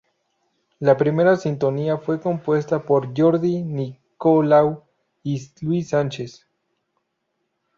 La primera sintonía fue compuesta por Jordi Nicolau y Luis Sánchez.